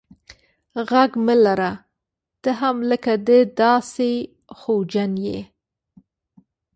ږغ مه لره ته هم لکه دی داسي خوجن یې.